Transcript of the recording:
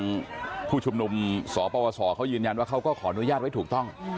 ออหนุ่มโตนท์ผู้ชุมนุมสอปวสอร์เขายืนยันว่าเขาก็ขออนุญาตไว้ถูกต้อง